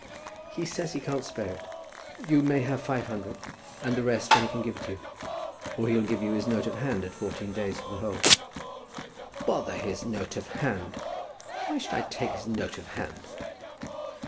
"He says he can't spare it. You may have £500, and the rest when he can give it you. Or he'll give you his note of hand at fourteen days for the whole." "Bother his note of hand. Why should I take his note of hand?"